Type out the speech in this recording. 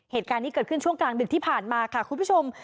เหตุการณ์นี้เกิดขึ้นช่วงกลางดึกที่ผ่านมาค่ะคุณผู้ชม